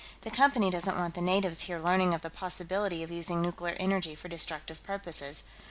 The Company doesn't want the natives here learning of the possibility of using nuclear energy for destructive purposes.